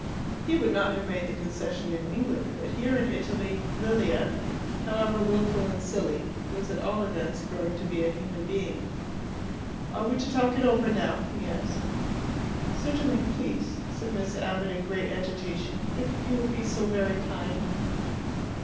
He would not have made the concession in England; but here in Italy, Lilia, however wilful and silly, was at all events growing to be a human being. "Are we to talk it over now?" he asked. "Certainly, please," said Miss Abbott, in great agitation. "If you will be so very kind."